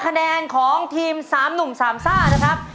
คะแนนของทีม๓หนุ่มสามซ่านะครับ